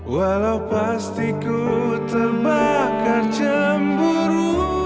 walau pasti ku terbakar cemburu